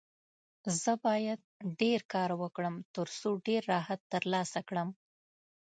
زه باید ډېر کار وکړم، ترڅو ډېر راحت ترلاسه کړم.